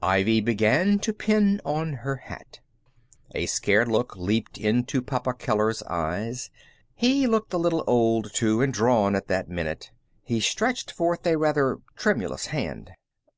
Ivy began to pin on her hat. A scared look leaped into Papa Keller's eyes. He looked a little old, too, and drawn, at that minute. He stretched forth a rather tremulous hand.